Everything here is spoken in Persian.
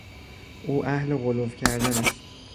او اهل غلو کردن است.